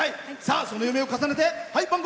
その夢を重ねて。